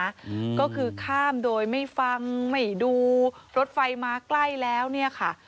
อืมก็คือข้ามโดยไม่ฟังไม่ดูรถไฟมาใกล้แล้วเนี่ยค่ะ